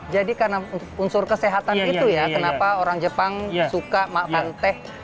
karena unsur kesehatan itu ya kenapa orang jepang suka makan teh